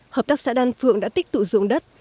hợp tác xã đan phượng đã tích tụ dụng đất